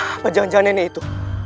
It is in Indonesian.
apa jangan jangan neneknya itu